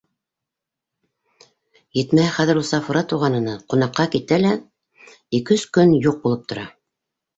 Етмәһә, хәҙер ул Сафура туғанына ҡунаҡҡа китә лә ике-өс көн юҡ булып тора.